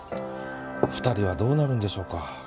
２人はどうなるんでしょうか？